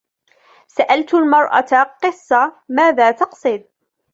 سألت المرأة: " قصة ؟"." ماذا تقصد ؟"